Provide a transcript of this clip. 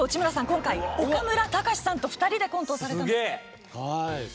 今回、岡村隆史さんと２人でコントをされたんですね。